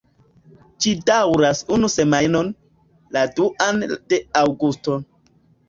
Ĝi daŭras unu semajnon, la duan de aŭgusto.